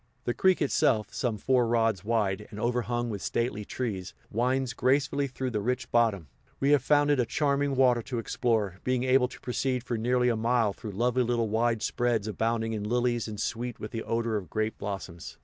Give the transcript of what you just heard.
The creek itself, some four rods wide, and overhung with stately trees, winds gracefully through the rich bottom; we have found it a charming water to explore, being able to proceed for nearly a mile through lovely little wide spreads abounding in lilies and sweet with the odor of grape blossoms.